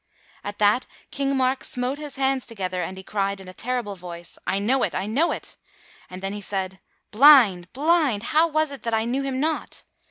At that King Mark smote his hands together and he cried in a terrible voice, "I know it! I know it!" And then he said: "Blind! Blind! How was it that I knew him not?"